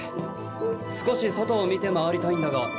少し外を見て回りたいんだが。